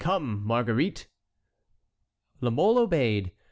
Come, Marguerite!'" La Mole obeyed.